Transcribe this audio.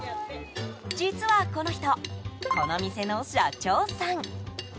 実はこの人、この店の社長さん。